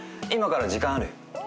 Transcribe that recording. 今から時間ある？